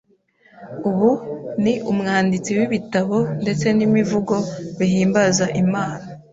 Ubu ni umwanditsi w’ibitabo ndetse n’imivugo bihimbaza Imana.